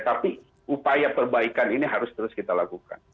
tapi upaya perbaikan ini harus terus kita lakukan